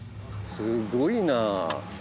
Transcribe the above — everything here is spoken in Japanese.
すごいな。